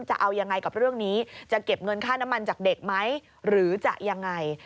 จะเอายังไงกับเรื่องนี้จะเก็บเงินค่าน้ำมันจากเด็กไหมหรือจะยังไง